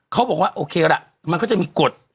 เขาบอกว่าโอเคละมันก็จะมีกฎ